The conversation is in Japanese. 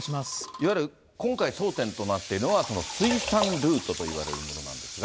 いわゆる今回、争点となっているのは、水産ルートといわれるものなんですが。